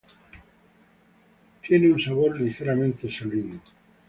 Tiene un sabor ligeramente salino.